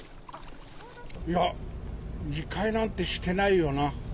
いや、理解なんてしてないよな。